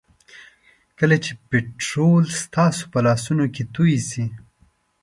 کله چې پټرول ستاسو په لاسونو کې توی شي.